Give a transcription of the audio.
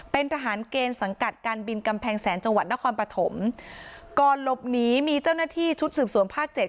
เป็นทหารเกณฑ์สังกัดการบินกำแพงแสนจังหวัดนครปฐมก่อนหลบหนีมีเจ้าหน้าที่ชุดสืบสวนภาคเจ็ด